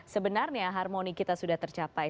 sebenarnya harmoni kita sudah tercapai